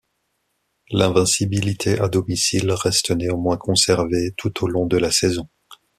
L'invincibilité à domicile reste néanmoins conservée tout au long de la saison.